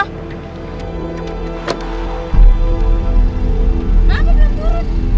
hah dia belum turun